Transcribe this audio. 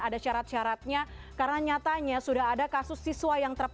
ada syarat syaratnya karena nyatanya sudah ada kasus siswa yang terpaksa